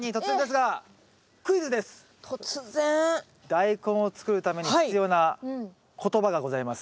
ダイコンを作るために必要な言葉がございます。